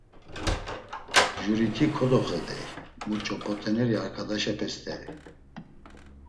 Juriti kodoxedey muç̌o p̌ot̆eneri arkadaşepe st̆eri.